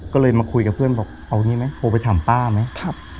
ก็เลยมาคุยกับเพื่อนบอกเอางี้ไหมโทรไปถามป้าไหม